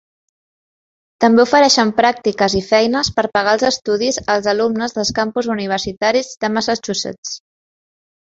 També ofereixen pràctiques i feines per pagar els estudis als alumnes dels campus universitaris de Massachusetts.